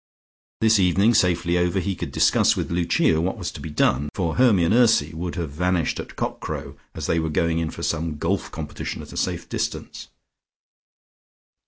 This evening safely over, he could discuss with Lucia what was to be done, for Hermy and Ursy would have vanished at cock crow as they were going in for some golf competition at a safe distance.